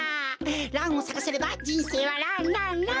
ランをさかせればじんせいはランランラン！